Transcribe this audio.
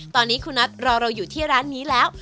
ตอนนี้คุณน็อตรอเราอยู่ที่ร้านนี้แล้ว